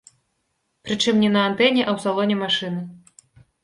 Прычым не на антэне, а ў салоне машыны.